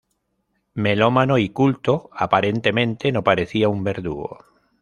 Melómano y culto, aparentemente no parecía un verdugo.